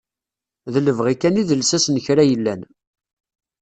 D lebɣi kan i d lsas n kra yellan.